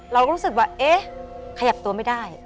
เราก็รู้สึกว่าเอ๊ะขยับตัวไม่ได้